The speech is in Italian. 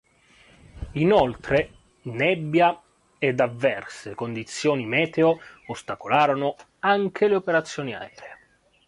Inoltre nebbia ed avverse condizioni meteo ostacolarono anche le operazioni aeree.